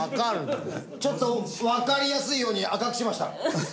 ちょっとわかりやすいように赤くしました。